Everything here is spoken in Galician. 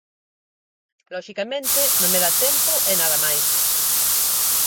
Loxicamente, non me dá tempo, e nada máis.